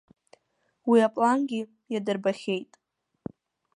Уи аплангьы иадырбахьеит.